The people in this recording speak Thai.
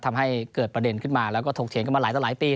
ทำให้เกิดประเด็นขึ้นมาแล้วก็ถกเถียงกันมาหลายต่อหลายปี